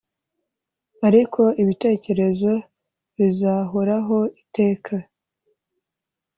ariko ibitekerezo bizahoraho iteka.